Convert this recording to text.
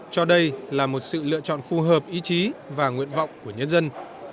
cho đây là một sự lựa chọn phù hợp ý chí và nguyện vọng của nhân dân